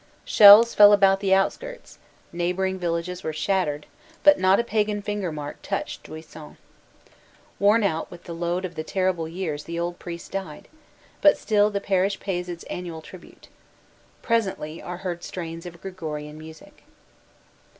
Shells fell about the outskirts, neighbor ing villages were shattered, but not a pagan finger mark touched Duisans. Worn out with the load of the terrible years the old priest died, but still the parish pays its annual tribute. Presently are heard strains of Gregorian music.